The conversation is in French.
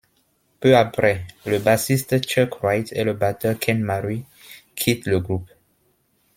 Peu après, le bassiste Chuck Wright et le batteur Ken Mary quittent le groupe.